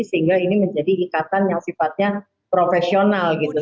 sehingga ini menjadi ikatan yang sifatnya profesional gitu